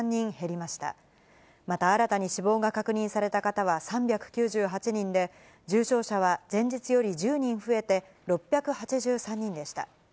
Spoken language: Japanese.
また新たに死亡が確認された方は３９８人で、重症者は前日より１０人増えて６８３人でした。